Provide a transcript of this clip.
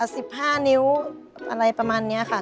สิบห้านิ้วอะไรประมาณเนี้ยค่ะ